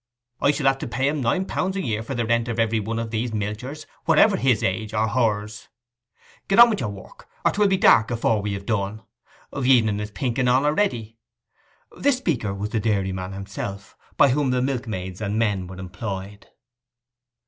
I shall have to pay him nine pound a year for the rent of every one of these milchers, whatever his age or hers. Get on with your work, or 'twill be dark afore we have done. The evening is pinking in a'ready.' This speaker was the dairyman himself; by whom the milkmaids and men were employed.